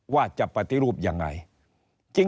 ว่าจะปฏิรูปยังไง